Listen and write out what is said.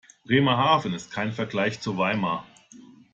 Bremerhaven ist kein Vergleich zu Weimar